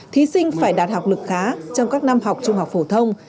thí sinh phải đạt học lực khá trong các năm học trung học phổ thông